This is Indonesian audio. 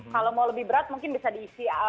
kalau mau lebih berat mungkin bisa diisi